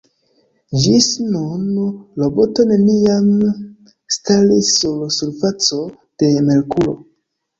Ĝis nun, roboto neniam staris sur surfaco de Merkuro.